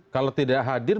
kalau tidak hadir